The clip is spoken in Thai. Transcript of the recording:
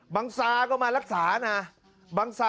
บางสาร์ก็มารักษานะ